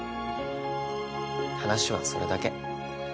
話はそれだけ。